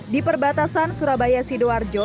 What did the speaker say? di perbatasan surabaya sidoarjo